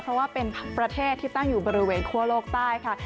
เพราะว่าเป็นประเทศที่ตั้งอยู่บริเวณคั่วโลกใต้ค่ะ